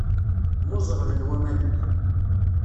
Mmuẓeɣlen waman-nni.